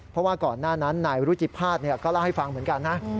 เพราะว่าก่อนหน้านั้นนายรุจิภาษณก็เล่าให้ฟังเหมือนกันนะ